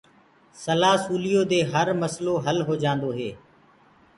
سلآ سُليو دي هر مسلو هل هوجآندو هي۔